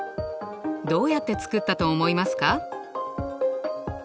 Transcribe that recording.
どうやって作ったと思いますか？